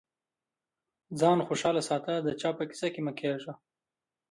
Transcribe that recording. ځان خوشاله ساته د چا په کيسه کي مه کېږه.